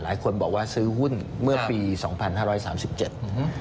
หลายคนบอกว่าซื้อหุ้นเมื่อปีสองพันห้าร้อยสามสิบเจ็ดอืม